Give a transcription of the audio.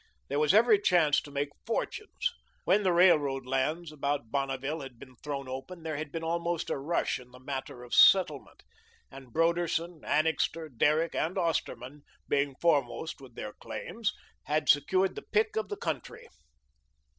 There was every chance to make fortunes. When the railroad lands about Bonneville had been thrown open, there had been almost a rush in the matter of settlement, and Broderson, Annixter, Derrick, and Osterman, being foremost with their claims, had secured the pick of the country.